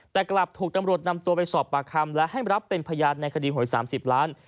แต่กลับถูกตำรวจนำตัวไปสอบปากคำและให้รับเป็นพยานในคดีหวย๓๐ล้าน